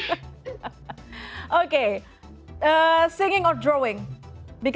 karena saya melihat anda mencari anda baik